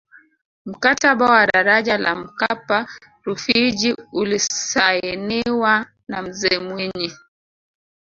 mkataba wa daraja la mkapa rufiji ulisainiwa na mzee mwinyi